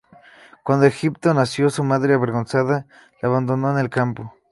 Cuando Egisto nació, su madre, avergonzada, le abandonó en el campo.